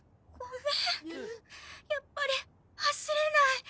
やっぱり走れない！